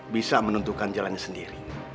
bisa menentukan jalannya sendiri